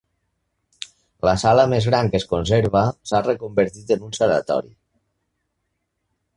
La sala més gran que es conserva s'ha reconvertit en un sanatori.